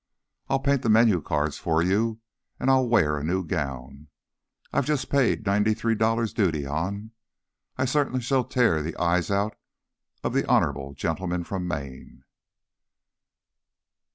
I'll paint the menu cards for you, and I'll wear a new gown I've just paid ninety three dollars duty on I certainly shall tear out the eyes of 'the honourable gentleman from Maine.'"